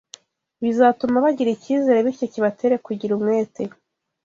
bizatuma bagira icyizere bityo kibatere kugira umwete